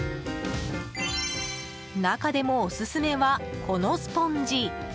中でもオススメは、このスポンジ。